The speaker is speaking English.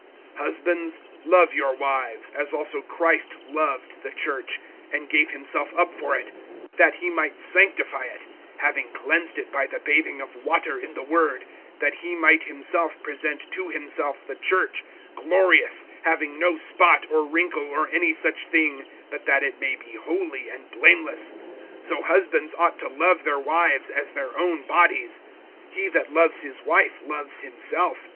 (25)Husbands, love your wives, as also Christ loved the church, and gave himself up for it; (26)that he might sanctify it, having cleansed it by the bathing of water in the word, (27)that he might himself present to himself the church, glorious, having no spot, or wrinkle, or any such thing, but that it may be holy and blameless. (28)So husbands ought to love their wives as their own bodies. He that loves his wife loves himself.